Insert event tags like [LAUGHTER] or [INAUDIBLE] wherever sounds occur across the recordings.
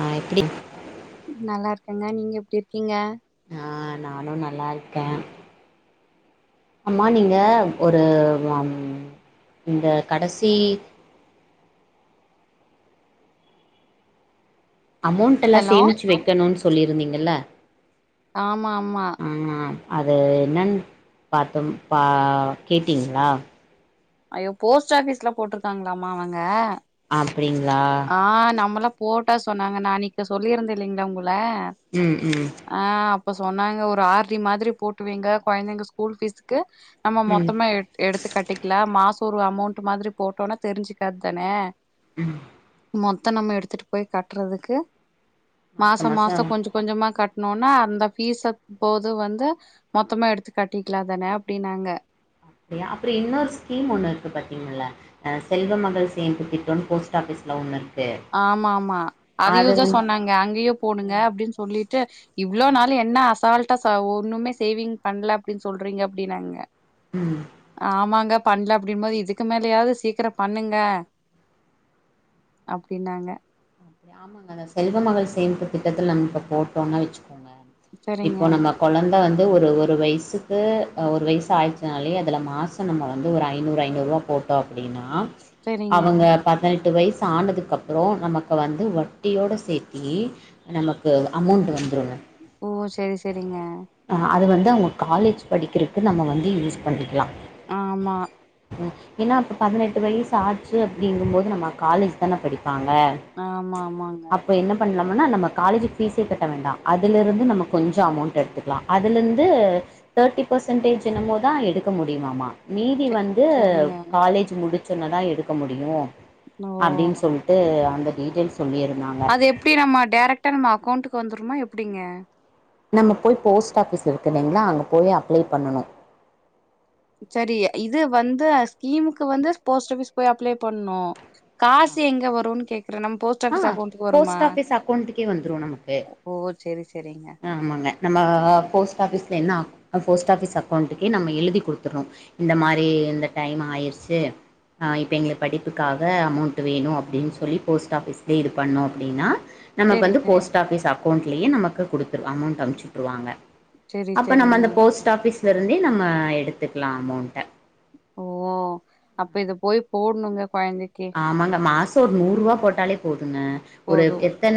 ஆஹ் அப்டி நல்லா இருக்கங்க நீங்க எப்டி இருக்கீங்க ஆஹ் நானு நல்லா இருக்கே ஆமா நீங்க ஒரு நம் இந்த கடசி அமௌண்ட் எல்லா ஹலோ சேமிச்சு வெக்கனுன் சொ சொல்லிருந்தீங்கள ஆமா ஆமா அது என்னன்னு பாத்தோம் பா கேட்டீங்ளா ஐயோ கோஸ்ட் ஆஃபிஸ்ல போட்ருக்காங்களாமா அவங்க அப்டிங்களா ஆஹ் நம்மளா போட்டா சொன்னாங்க நா அன்னைக்கு சொல்லிருந்தே இல்லைங்ளா உங்கள் ல ம் ம் ஆஹ் அப் இப்ப சொன்னாங்க ஒரு ஆர் டி மாதிரி போட்டு வைங்க கொழந்தைங்க ஸ்கூல் ஃபீஸ்க்கு நம்ம ம் மொத்தமா எட் எடுத்து கட்டிக்லா மாச ஒரு அமௌண்ட்டு மாதிரி போட்டோனா தெரிஞ்சுக்கற்தானே உம மொத்த நம்ம எடுத்துட்டு போய் கட்றதுக்கு மாச மாச கொஞ்ச கொஞ்சமா கட் னோனா அந்த ஃபீஸப் போது வந்து மொத்தமா எடுத்து காட்டிக்லா தானே அப்டின்னாங்க அப்டியா அப்ற இன்னொரு ஸ்கீம் ஒன்னு இருக்கு பாத்தீங்களா அஹ் செல்வ மகள் சேமிப்பு திட்டனு போஸ்ட் ஆஃபீஸ்ல ஒன்னு இரு ஆமா ஆமா அதையேதா சொன்னாங்க அங்கயே போடுங்க அப்டின் சொல்லிட்டு இவ்ளோ நாளு என்ன அசால்ட் ட்டா ச ஒன்னுமே சேவிங் பண்ல அப்டின் சொல்றீங்க அப்டின்னாங்க ம் ம் ஆமாங்க பண்ல அப்டின் போது இதுக்கு மேலயாவ்து சீக்கர பண்ணுங்க அப்டின்னாங்க ஆமாங்க அந்த செல்வ மகள் சேமிப்பு திட்டத்துல நம்ம இப்ப போட்டோனா வச்சுக் கோங்க சரிங்க இப்ப நம்ம கொழந் ந்த வந்து ஒரு ஒரு வயசுக்கு அஹ் ஒரு வயசு ஆயிருச்சுனாலே அதுல மாச நம்ம வந்து ஒரு ஐநூறு ஐநூறுவா போட்டோ அப்டினா சரிங்க அவங்க பதுனெட் ட்டு வயசு ஆனதுக்கப்றோ நமக் இப்ப வந்து வட்டியோட சேத்தி நமக்கு அமௌண்ட்டு வந்துரு ம் ஓ செரி செரிங்க து அவங்க காலேஜ் படிக்கிறக்கு நம்ம வந்து யூஸ் பண்ணிக்கலா ஆமா ம் ஏனா அப்ப பதனெட்டு வயசு ஆச்சு அப்பிடிங்கும் போது நம்ம காலேஜ் தான படி பாங்க ஆமா ஆமாங்க அப்ப என்ன பண்லா ம்னா நம்ம காலேஜுக்கு ஃபீஸே கட்ட வேண்டா அதுலிருந்து நமக் கொஞ்ச அமௌண்ட் எடுத்துக்கலா அதுலிர்ந்து தேர்ட்டி பெர்சன்டேஜ் என்னமோதா எடுக்க முடியுமாமா. மீதி செ வந்து செரிங்க காலேஜ் முடிச் சொன்னதா எடுக்க முடியு ஓ அப்டின் சொல்ட்டு அந்த மெய்ட்டன்ஸ் அது எப்படி நம்ம டேரக்டா நம் அக்கவ்ண்ட்டுக் கு வந்துருமா எப்படிங்க நம்ம போய் போஸ்ட் ஆஃபிஸ் இருக்கில்லைங்ளா அங்க போய் அப்ளை பண்ணனு சரி இது வந்த ஸ்கீமுக்கு வந்து போஸ்ட் ஆஃபிஸ் போய் அப்ளை பண்ணு காசு எங்க வருனு கே ஆ போஸ்ட் ஆஃபிஸ் அக்கௌண்ட்டுக்கே வந்துரு நமக்கு ஓ செரி செரிங்க ஆமாங்க நம்ம போஸ்ட் ஆஃபிஸ்ல என்ன அக் போஸ்ட் ஆஃபிஸ் அக்கௌண்ட்டுக்கே நம்ம எழுதி குடுத்தர்றோ இந்த மாரி இந்த டைம் ஆயிருச்சி அ இப்போ எங்ளுக் படிப்புக்காக அமௌண்ட் வேணு அப்டின் சொல்லி போஸ்ட் ஆஃபிஸ் போய் இது பண்ணோ அப்டின்னா நமக்கு வந்து செரிங்க போஸ்ட் ஆஃபிஸ் அக்கௌண்ட் லயே நமக்கு குடுத்துரு அமௌண்ட் அனுப்ச்சுட்ருவாங்க. செரி அப்ப நம்ம செரிங்க அந்த போஸ்ட் ஆஃபிஸ் இருந்தே நம்ம எடுத்துக்கலா அமௌண்ட்ட ஓ அப்ப இத போய் போடுணுங்க ஆமாங்க மா சோ ஒரு நூறுபா போட்டாலே போது ங்க ஒரு போது எத்தன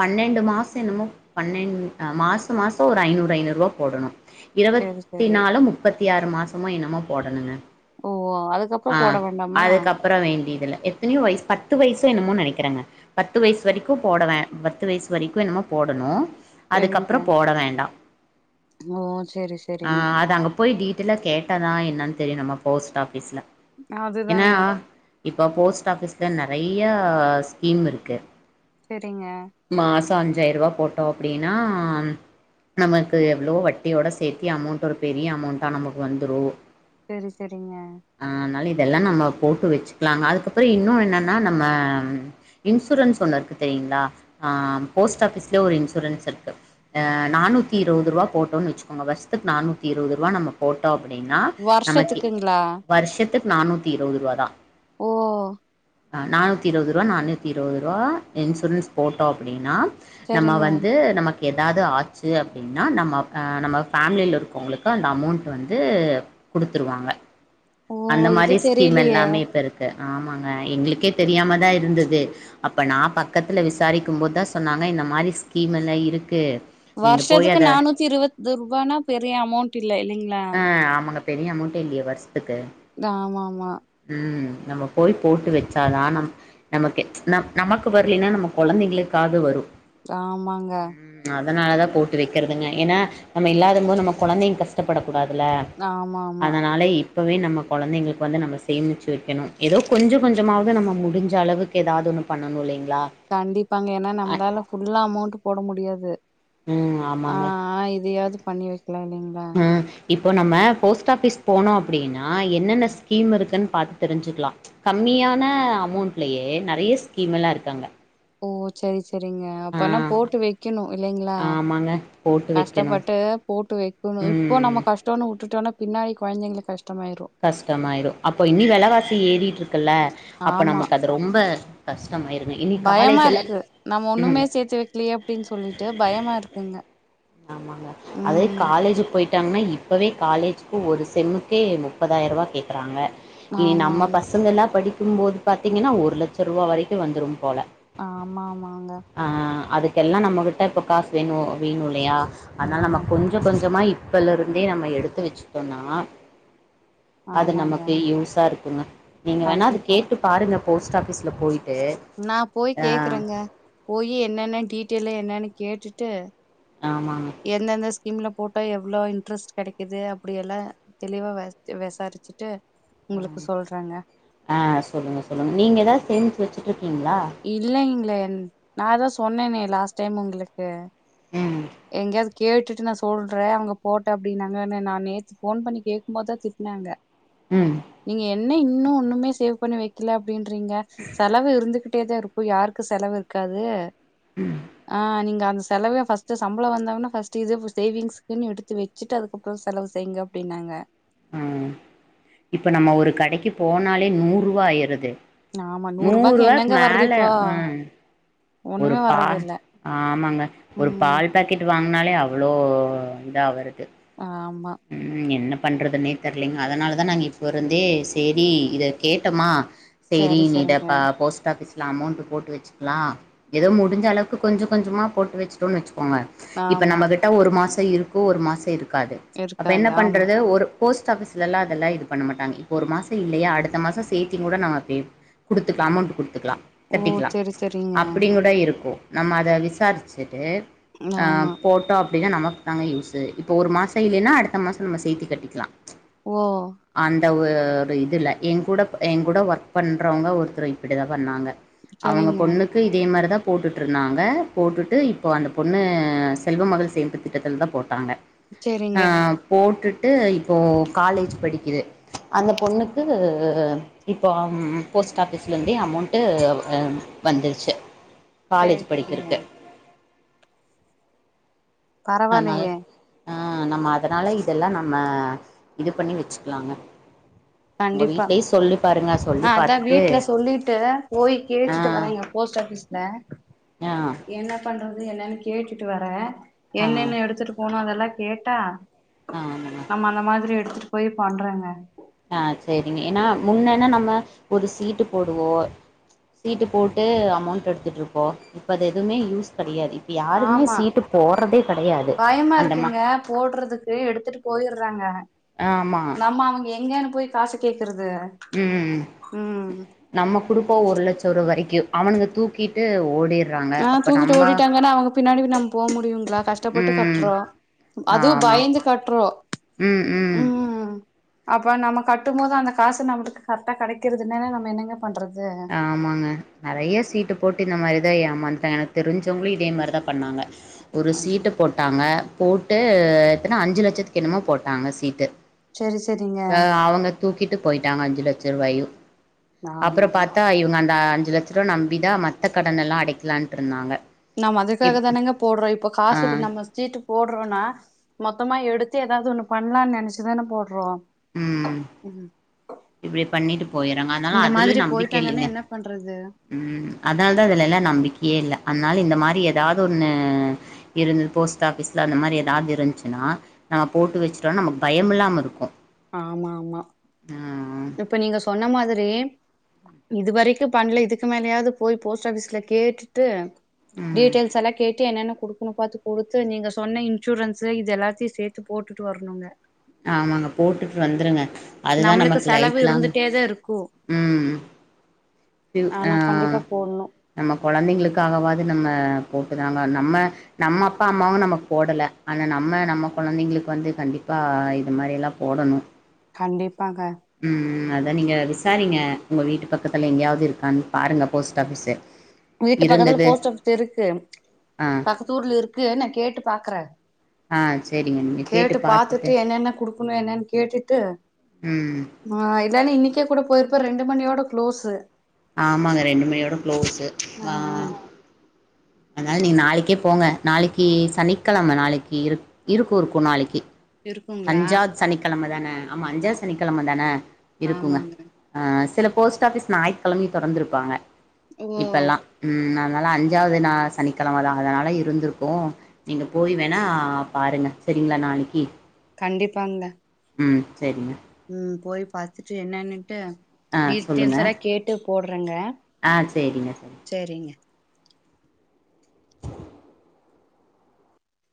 பன்னெண்டு மாச என்னமோ பன்னெண் மாச மாச ஒரு ஐநூறு ஐநூறுவா போடணு செரி இருவத்தி செரி நாலோ முப்ப த்தி ஆறு மாசமோ என்னமோ போடணுங்க ஓ அதுக்கப்புறோ ஆ போட வேண்டாமா அதுக்கப்பற வேண்டிதில்ல எத்தனையோ வயசு பத்து வயசோ என்னமோ நெனைக்கறங்க பத்து வயசு வரைக்கு போடவேன் பத்து வயசு வரைக்கோ என்னமோ போடணு செரிங்க அதுக்கப்பற போட வேண்டா ஓ செரி செரிங்க டெய்ல கேட்டாதா என்னன் தெரியு நம்ம போஸ்ட் ஆஃபிஸ்ல அதுதாங்க இப்ப போஸ்ட் ஆஃபிஸ்ல நெறையா ஸ்கீம் இருக்கு சரிங்க தோ அஞ்சாயிரரூவா போட்டோ அப்படின்னா நமக்கு எவ்வளோ வட்டியோட சேத்தி அமௌண்ட் ஒரு பெரிய அமௌண்ட்டா நமக்கு வந்துரு சேரி சேரிங்க ஆன் னால இதெல்லா நம்ம போட்டு வச்சுக்கலாங்க அதுக்கப்பற இன்னு என்னென்னா நம்ம இன்சூரன்ஸ் ஒன்னு இருக்கு தெரியங்களா ஆன் போஸ்ட் ஆஃபீஸ்லயே ஒரு இன்சூரன்ஸ் இருக்கு ஆன் நானூத்தி இருவது ரூபா போட்டோன்னு வச்சுக்கோங்க வருஷத்துக்கு நானூத்தி இருவது ரூவா நம்ம போட்டோ அப்டின்னா நமக்கு வருஷத்துக்குங்களா வருஷத்துக்கு நானூத்தி இருவது ரூவாதா ஓ நானூத்தி இருவது ரூவா நானூத்தி இருவது ரூவா இன்சூரன்ஸ் போட்டோ அப்டின்னா நம்ம செரிங்க வந்து நமக் எதாது ஆச்சு அப்படின்னா நம்ம நம்ம ஃபேமிலியில இருக்கவங்களுக்கு அந்த அமௌண்ட் வந்து குடுத்துருவாங்க ஓ அந்த இது மாரி ஸ்கீம் தெரிலியே எல்லாமே இப்ப இருக்கு ஆமாங்க எங்களுக்கே தெரியாமதா இருந்தது அப்போ நா பக்கத்தில விசாரிக்கும்போதுதா சொன்னாங்க இந்த மாரி ஸ்கீம்லெல்லா இருக்கு‌ வருஷத்துக்கு நானூத்தி இருவது ரூபானா பெரிய அமௌன்ட் இல்ல இல்லைங்களா பெரிய அமௌண்ட் இல்லையே வர்ஸ் த்துக்கு ஆமா ஆமா உம் நம்ம போய் போட்டு வச்சாதா நம் நமக்கு ச்சு நமக்கு வரலன்னா நம்ம கொழந்தைங்களுக்காவது வரு த ஆமாங்க அதனால தா போட்டு வைக்கிறதுங்க ஏன்னா நம்ம இல்லாதம்போது நம்ம கொழந்தைங் கஷ்டப்படக் கூடாதுல ஆமா ஆமா அதனால இப் ப்பவே நம்ம கொழந்தைங்களுக்கு வந்து நம்ம சேமிச்சு வைக்கணு ஏதோ கொஞ்ச கொஞ்சமாவது நம்ம முடிஞ்ச அளவுக்கு ஏதாவது ஒன்னு பண்ணணு இல்லைங்க கண்டிப்பாங்க ஏன்னா நம்மளால ஃபுல்லா அமௌண்ட் போட முடியாது ம் ஆமாங்க ஆஹ் இதையாவது பண்ணி வைக்கலா இல்லைங்களா ம் இப்போ நம்ம போஸ்ட் ஆஃபிஸ் போனோ அப்படின்னா என்னென்ன ஸ்கீம் இருக்குன்னு பாத்து தெரிஞ்சுக்கலா ம்ச் கம்மியான அமௌண்ட்லயே நெறைய ஸ்கீம் எல்லா இருக்கங்க ஓ சேரி சே சரிங்க அப்பனா போட்டு வைக்கணு இல்லைங்களா ஆமாங்க போட்டு வைக்கணு கஷ்டப்பட்டு போட்டு வைக்கணு இப்போ ம் நம்ம கஷ்டம்ன்னு உட்டுட்டோனா பின்னாடி கொழந்தைங்களுக்கு கஷ் கஷ்டமாயிரு அப்போ இனி வெலவாசி ஏறிட்ருக்குல்ல அப்ப ஆமா நமக்கு அது ரொம்ப கஸ் பயமா இருக்கு நம்ம ஒண்ணுமே ம் சேத்து வைக்கலையே அப்டின்னு சொல்லிட்டு பயமா இருக்குங்க ஆமாங்க அதது ம் காலேஜுக்கு போயிட்டாங்கன்னா இப்போவே காலேஜுக்கு ஒரு செம்முக்கே முப்பதாயிரரூவா கேக்குறாங்க இனி ஆமா நம்ம ஆமா பசங்க எல்லா படிக்க இருக்கும்போது பாத்தீங்கன்னா ஒரு லட்சம் ரூவா வரைக்கு வந்துரு போல ஆமா ஆமாங்க ஆஹ் அதுக் கெல்லா நம்மகிட்ட இப்ப காசு வேணு வேணும்ல லையா. அதனால நம்ம ஆமா கொஞ்சம் கொஞ்சமா இப். இப்பல இருந்தே நம்ம எடுத்து வச்சிட்டோம்னா. அது ஆமாங்க நமக்கு யூஸா இருக்குங்க நீங்க வேணா அது கண்டிப்பா கேட்டு பாருங்க. போஸ்ட் ஆஃபீஸ்ல போய் நா போய் கேக்குறேங்க போயி என்னென்ன டீட்டெயல்லு என்னனு. கேட்டுட்டு ஆமாங்க எந்தெந்த ஸ்கீம்ல போட்டால் எவ்வளோ இன்ட்ரெஸ்ட் கிடைக்கிது அப்படியெல்லாம் தெளிவா விசா விசாரிச்சிட்டு. ஹ ஆஹ் சொல்லுங்க சொல்லுங்க நீங்க ஏதாவது சேமிச்சு வச்சு இல்லைங்களே. உம் நான்தான் சொன்னனே லாஸ்ட் டைம் உங்களுக்கு. உம். எங்கேயாவது கேட்டுட்டு நான் சொல்றேன் அவங்க போட்ட அப்படின்னாங்கன்னு நான் நேத்து ஃபோன் பண்ணி கேட்கும் போதுதான் திட்டினாங்க. உம் ன இன்னும் ஒண்ணுமே சேவ் பண்ணி வைக்கல. அப்படின்றீங்க செலவு இருந்துகிட்டு. டே தான் இருக்கும் யாருக்கு செலவு இருக்காது. ஆஹ நீங்க அந்த செலவ ஃபர்ஸ்ட்டு சம்பளம் வந்தோனே ஃபர்ஸ்ட் இதே சேவிங்ஸ்குன்னு எடுத்து வச்சுட்டு அதுக்கப்றோ செலவு செய்ங்க அப்டின்னாங்க ம் இப்ப நம்ம ஒரு கடைக்கு போனாலே நூறு ருவா ஆயிருது ஆமா நூறு ரூபாய்க்கு நூறுவாக்கு என்னங்க வருது மேல இப்போ ம் ஒரு ஒண்ணுமே பா வர்றது இல்ல ஆமாங்க ஒரு ம் பால் பாக்கெட் வாங்க னாலே அவ்ளோ இதா வருது ஆமா பண்ணுறதுனே தெர்லங்க அதனால தான் நாங்க இப்போ இருந்தே சேரி இத கேட்டோமா சரி சேரி சேரிங்க விடப்பா போஸ்ட் ஆபிஸ் இதுல அமௌண்ட் போட்டு வச்சுக்கலா ஏதோ முடிஞ்ச அளவுக்கு கொஞ்ச கொஞ்சமா போட்டு வச்சுடோனு வச்சு போங்க இப்ப ஆமா நம்ம கிட்ட ஒரு மாச இருக்கு ஒரு மாசம் இருக்காது அப்ப என்ன இருக்காது ஆமா பண்றது ஒரு போஸ்ட் ஆபீஸ்லலா அதெல்லா இது பண்ண மாட்டாங்க இப்போ ஒரு மாசம் இல்லையா அடுத்த மாசம் சேர்த்தி கூட நம்ம பே கொடுத்துக்குலா அமௌண்ட் கொடு துக்கலாம் ஓ கட்டிக்கலா சேரி சேரிங்க அப்படி கூட இருக்கும் நம்ம அத விசாரிச்சுட்டு ஆ ஆமா போட்டோ அப்டின்னா நமக் தாங்க யூசு இப்ப ஒரு மாசோ இல்லைன்னா அடுத் த மாசோ நம்ம சேத்தி கட்டிக்கலா ஓ த ஓ ஒரு இதுல ஏங்கூட ஏங்கூட ஒர்க் பண்ணுறவங்க ஒருத்தர் இப்டிதா பண்ணாங்க அவங்க சேரிங்க பொண்ணுக்கு இதே மாரிதா போட்டுட்டுருந்தாங்க போட்டுட்டு இப்போ அந்த பொண்ணு செல்வ மகள் சேமிப்பு திட்டத்துலதா போட்டாங்க செரிங்க ஆ போட்டுட்டு இப்போ காலேஜ் படிக்கிது அந்த பொண்ணுக்கு இப்ப போஸ்ட் ஆபிஸ்ல இருந்தே அமௌன்ட்டு ஆ வந்துருச்சி காலேஜ் சேரி சேரிங்க படிக்கிருக்கு அதனால பரவால்லயே ஆ நம்ம அதனால இதெல்லா நம்ம இது பண்ணி வச்சிக்கலாங்க உங்க கண்டிப்பா வீட்லயு சொல்லி பாருங்க சொல்லி நா அதா பாத்துட்டு வீட்ல சொல்லிட்டு போய் ஆ கேட்டுட்டு வர்றேங்க போஸ்ட் ஆ பீஸ்ல ஆ என்ன பண்றது அது என்னன்னு கேட்டுட்டு வர்றே ஆ என்னென்ன எடுத்துட்டு போனு அதெல்லா கேட்டா ஆ ஆமாங்க நம்ம அந்த மாதிரி எடுத்துட்டு போய் பண்றேங்க ஆ செரிங்க ஏன்னா முன்னன்ன நம்ம ஒரு சீட்டு போடுவோ சீட்டு போட்டு அமௌண்ட் எடுத்துட்டு இருப்போ இப்ப அது எதுவுமே யூஸ் கெடயாது இப் ஆமா பயமா அந்தமா இருக்குங்க போடுறதுக்கு எடுத்துட்டு போயிறாங்க ஆமா நம்ம அவங்க எங்கன்னு போய் காசு கேக் ம் ம் நம்ம குடுப்போ ஒரு லட்சோ ரூவா வரைக் கு அவனுங்க தூக்கிட்டு ஓடிர் ஆ தூக்கிட்டு ஓடிட்டாங்கன்னா அவங்க பின்னாடி நம்ம போக முடியுங்களா கஷ்டப்பட்டு ம் கட்டுறோ அதுவு ஆமா. பயந்து கட்டுறோ ம் அப்ப நம்ம கட்டும் போது அந்த காசு நம்மளுக்கு கரெக்டா கெடைக்கிறது இல்லனா நம்ம என்னங்க பண்றது ஆமாங்க நெறயா சீட்டு போட்டு இந்த மாரி தா ஏமாந்துடேங்க எனக்கு தெரிஞ்சவுங்களு இதே மாறிதா பண்ணாங்க ஒரு சீட்ட போட்டாங்க போட்டு எத்தன அஞ்சி லட்சத்துக்கு என்னமோ போட்டாங்க சீட்டு சரி சரிங்க ஆ அவங்க தூக்கிட்டு போயிட்டாங்க அஞ்சி லச் சிறுவயு ஆமாமா இப்ப இவுங்க அந்த அஞ்சு லட்சுருவ நம்பிதா மத்த கடனெல்லா அடைக்கலான்ட்ருந்தாங்க நம்ம இப் அதுக்காக தானேங்க போடுறோ இப்ப ஆ. காசு நம்ம சீட்டு போடுறோனா மொத்தமா எடுத்து ஏதாவது ஒண்ணு பண்ணலானு நெனச்சுதான போடுறோ ம். ம் இப்டி பண்ணிட்டு போய்றாங்க அதனால இந்த அதுலியு மாதிரி நம்பிக்க போயிட்டாங்கன்னா இல்லிங்க, என்ன பண்றது ம் அதானாலதா அதுல எல்லா நம்பிக்கையே இல்ல அதனால இந்த மாரி ஏதாது ஒன்னு இருந்து போஸ்ட் ஆஃபீஸ்ல அந்த மாரி எதாவது இருந்ச்சுனா நம்ம போட்டு வச்சுட்டோனா நமக்கு பயமில்லாம இருக்கு ஆமா ஆமா ஆ இப்ப நீங்க சொன்ன மாதிரி இது வரைக்கு பண்ணல இதுக்கு மேலயாவது போய் போஸ்ட் ஆஃபிஸ்ல கேட்டுட்டு ம் டீட்டெல்ஸ் எல்லா கேட்டு என்னன்னு குடுக்கணு பாத்து குடுத்து நீங்க சொன்ன இன்சூரன்ஸு இது எல்லாத்தையு சேத்து போட்டுட்டு வரணுங்க ஆமாங்க போட்டுட்டு வந்துருங்க அதுதா ந நம்மளுக்கு மக்கு செலவு லைஃப்லாங் இருந்துட்டேதா இருக்கு ம் ஆ ஆனா கண்டிப்பா போடணு நம்ம கொழந்தைங்களுக்காகவாது நம்ம போட்டுதாங்க நம்ம நம்ம அப்பா அம்மாவு நமக்கு போடல ஆன நம்ம நம்ம கொழந்தைங்களுக்கு வந்து கண்டிப்பா இது மாரில்லா போடணு கண்டிப் ம், ம் அது அத நீங்க விசாரிங்க உங்க வீட்டு பக்கத்துல எங்கயாவுது இருக்கானு பாருங்க போஸ்ட் ஆஃபிஸு வீட்டு பக்கத்துல போஸ்ட் ஆஃபிஸ் இருக்கு ஆ பக்கத்தூர்ல இருக்கு நா கேட்டு பாக்கற ஆ சேரிங்க நீங்க கேட்டு பாத்துட்டு கனு என்னனு கேட்டுட்டு ம் மா இல்லேனா இன்னிக்கே கூட போய்ருப்ப ரெண்டு மணியோட க்ளோஸு ஆமாங்க ரெண்டு மணியோட க்ளோஸு ஆ அதனால நீங்க நாளைக்கே போங்க நாளக்கி சனிக்கெழம நாளக்கி இரு இருக்கு இருக்கு நாளக்கி இருக்குங்களா அஞ்சாது சனிக்கெழம தான ஆமா அஞ்சாது சனிக்கெழம தான இருக்குங்க ஆமாங்க ஆ சில போஸ்ட் ஆஃபிஸ் ஞாயித்கெழமையு தொறந்துருப்பாங்க ஓ இப்பெல்லா உம் நா நாலா அஞ்சாவது நா சனிக்கெழமதா அதனால இருந்திருக்கோ நீங்க போய் வேணா பாருங்க செரிங்ளா நாளக்கி கண்டிப்பாங்க உம் செரிங்க உம் போய் பாத்துட்டு என்னான்னு ஆ சொல்லுங்க ட்ட [UNINTELLIGIBLE] கேட்டு போட்றங்க ஆ செரிங்க